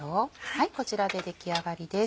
はいこちらで出来上がりです。